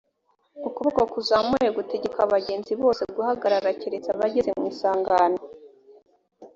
ukuboko kuzamuye gutegeka abagenzi bose guhagarara keretse abageze mu isangano